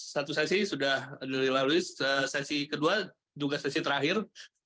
satu sesi sudah dilalui sesi kedua juga sesi terakhir